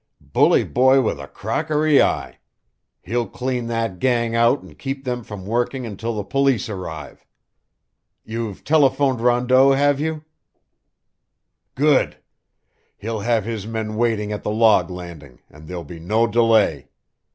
Bully boy with a crockery eye! He'll clean that gang out and keep them from working until the police arrive. You've telephoned Rondeau, have you?... Good! He'll have his men waiting at the log landing, and there'll be no delay.